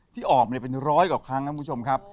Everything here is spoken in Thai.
ที่ออกมาเป็นร้อยกว่าครั้งครับคุณผู้ชมครับ